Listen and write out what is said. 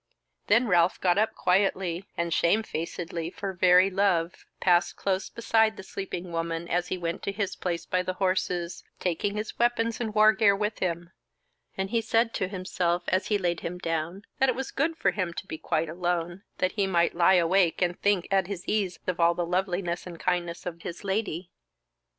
Then Ralph got up quietly; and, shamefacedly for very love, passed close beside the sleeping woman as he went to his place by the horses, taking his weapons and wargear with him: and he said to himself as he laid him down, that it was good for him to be quite alone, that he might lie awake and think at his ease of all the loveliness and kindness of his Lady.